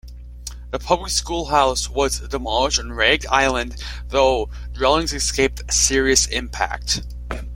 The public school house was demolished on Ragged Island, though dwellings escaped serious impact.